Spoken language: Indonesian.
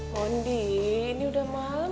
bondi ini udah malem